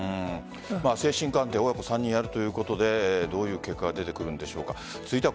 精神鑑定親子３人やるということでどういう結果が出てくるんでしょうか。